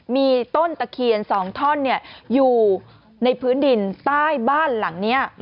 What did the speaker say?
มีต้นตะเคียน๒ท่อนอยู่ในพื้นดินใต้บ้านหลังนี้